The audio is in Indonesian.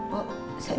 bu saya kesiangan